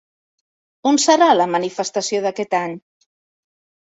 On serà la manifestació d'aquest any?